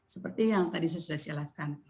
seperti yang tadi saya sudah jelaskan